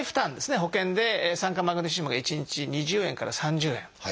保険で酸化マグネシウムが一日２０円から３０円。